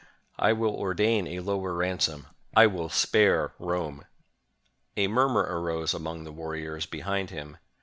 I will ordain a lower ransom; I will spare Rome." A murmur arose among the warriors behind him.